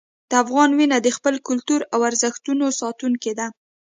د افغان وینه د خپل کلتور او ارزښتونو ساتونکې ده.